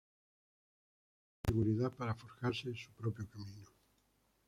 Esto le dio seguridad para forjarse su propio camino.